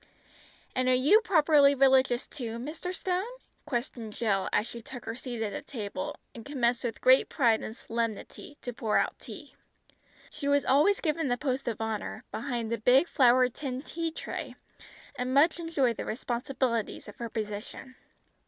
"And are you properly religious too, Mr. Stone?" questioned Jill as she took her seat at the table, and commenced with great pride and solemnity to pour out tea. She was always given the post of honour, behind the big flowered tin tea tray, and much enjoyed the responsibilities of her position.